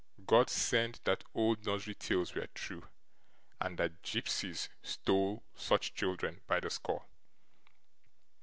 God send that old nursery tales were true, and that gypsies stole such children by the score!